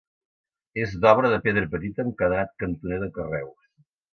És d'obra de pedra petita, amb cadenat cantoner de carreus.